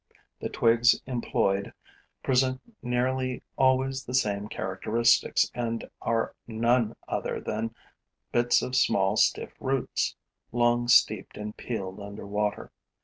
The twigs employed present nearly always the same characteristics and are none other than bits of small, stiff roots, long steeped and peeled under water.